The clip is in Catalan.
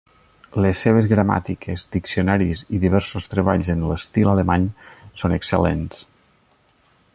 Les seves gramàtiques, diccionaris i diversos treballs en l'estil alemany són excel·lents.